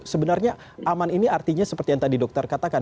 sebenarnya aman ini artinya seperti yang tadi dokter katakan